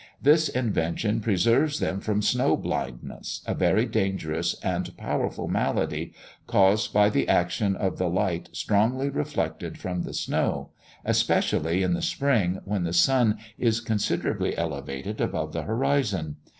This invention preserves them from snow blindness, a very dangerous and powerful malady, caused by the action of the light strongly reflected from the snow, especially in the spring, when the sun is considerably elevated above the horizon.